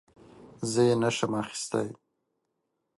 زه یې نه شم اخیستی .